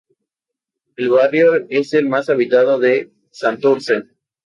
El barrio es el más habitado de Santurce.